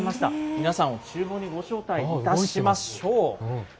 皆さんをちゅう房にご招待いたしましょう。